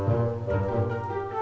sampai jumpa lagi